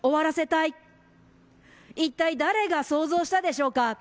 いったい誰が想像したでしょうか。